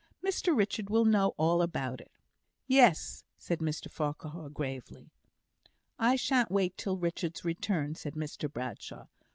Mr Richard will know all about it." "Yes," said Mr Farquhar, gravely. "I shan't wait till Richard's return," said Mr Bradshaw.